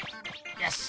よし。